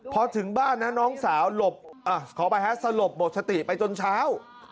พอถึงบ้านนะน้องสาวหลบขออภัยฮะสลบหมดสติไปจนเช้า